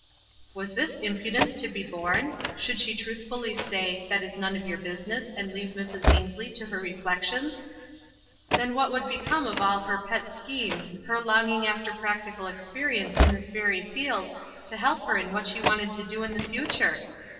Was this impudence to be borne? Should she truthfully say, "That is none of your busi ness," and leave Mrs. Ainslie to ker reflections* Then what would become of ail her pet schc nes, her longing after practical experience it* (his very field to help her in what she wanted co do in the future